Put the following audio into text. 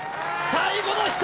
最後の１人！